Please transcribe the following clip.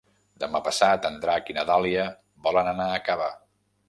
Demà passat en Drac i na Dàlia volen anar a Cava.